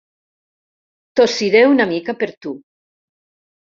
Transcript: Tossiré una mica per tu.